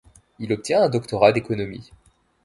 Il obtient un doctorat d'économie.